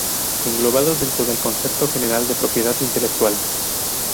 englobados dentro del concepto general de propiedad intelectual